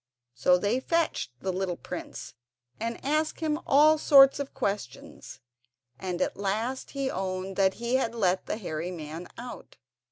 So they fetched the little prince and asked him all sorts of questions, and at last he owned that he had let the hairy man out.